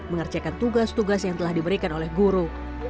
mengerjakan tugas tugas yang telah diberikan oleh guru